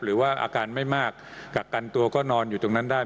หรือว่าอาการไม่มากกักกันตัวก็นอนอยู่ตรงนั้นได้